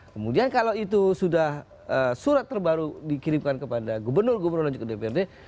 kemudian kalau itu sudah surat terbaru dikirimkan kepada gubernur gubernur dan juga dprd